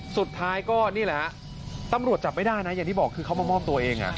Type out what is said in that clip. สุดท้ายก็นี่แหละฮะตำรวจจับไม่ได้นะอย่างที่บอกคือเขามามอบตัวเอง